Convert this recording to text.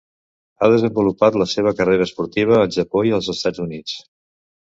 Ha desenvolupat la seva carrera esportiva al Japó i als Estats Units.